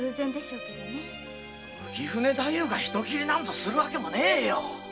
浮舟太夫が人斬りなんぞするわけがねえよ。